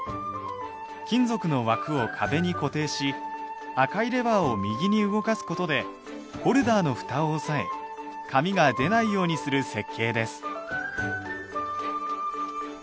金属の枠を壁に固定し赤いレバーを右に動かす事でホルダーのふたを押さえ紙が出ないようにする設計です。